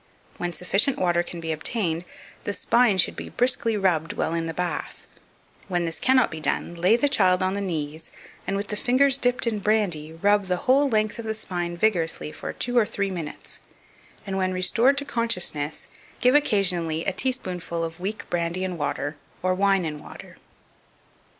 When sufficient water can be obtained, the spine should be briskly rubbed while in the bath; when this cannot be done, lay the child on the knees, and with the fingers dipped in brandy, rub the whole length of the spine vigorously for two or three minutes, and when restored to consciousness, give occasionally a teaspoonful of weak brandy and water or wine and water.